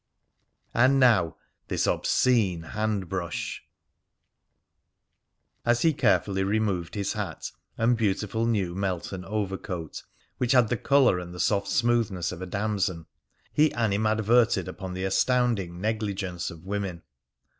And now this obscene hand brush! As he carefully removed his hat and his beautiful new Melton overcoat (which had the colour and the soft smoothness of a damson), he animadverted upon the astounding negligence of women.